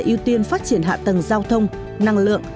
ưu tiên phát triển hạ tầng giao thông năng lượng